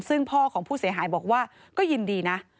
ซึ่งพ่อของผู้เสียหายบอกว่าก็ยินดีนะ